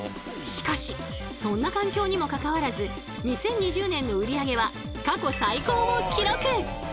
しかしそんな環境にもかかわらず２０２０年の売り上げは過去最高を記録！